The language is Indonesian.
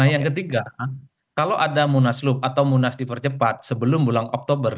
yang ketiga kalau ada munaslup atau munas dipercepat sebelum bulan oktober